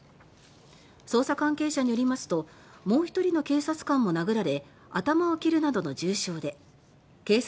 捜査関係者によりますともう１人の警察官も殴られ頭を切るなどの重傷で警察が余罪を調べています。